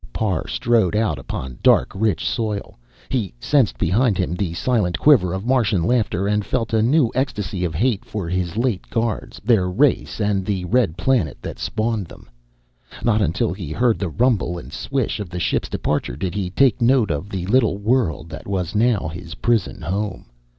Parr strode out upon dark, rich soil. He sensed behind him the silent quiver of Martian laughter, and felt a new ecstasy of hate for his late guards, their race, and the red planet that spawned them. Not until he heard the rumble and swish of the ship's departure did he take note of the little world that was now his prison home.